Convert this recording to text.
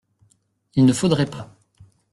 Il ne faudrait pas.